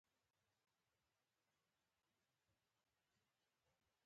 په همدې ورځ لوی نندارتون هم پرانیستل شوی و.